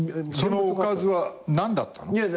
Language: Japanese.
そのおかずは何だったの？